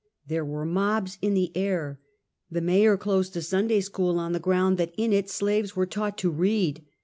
There were mobs in the air. The mayor closed a Sunday school, on the ground that in it slaves were taught to read.